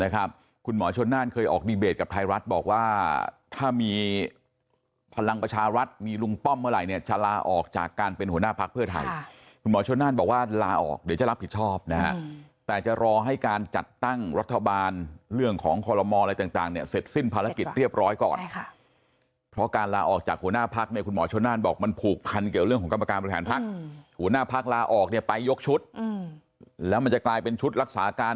กับไทยรัฐบอกว่าถ้ามีพลังประชารัฐมีลุงป้อมเมื่อไหร่เนี่ยจะลาออกจากการเป็นหัวหน้าภักร์เพื่อไทยค่ะคุณหมอชนน่านบอกว่าลาออกเดี๋ยวจะรับผิดชอบนะฮะแต่จะรอให้การจัดตั้งรัฐบาลเรื่องของคอลโลมอล์อะไรต่างต่างเนี่ยเสร็จสิ้นภารกิจเรียบร้อยก่อนใช่ค่ะเพราะการลาออกจากหัวหน้าภักร